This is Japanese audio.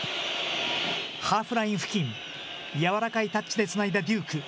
ハーフライン付近、柔らかいタッチでつないだデューク。